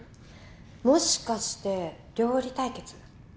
もしかして料理対決？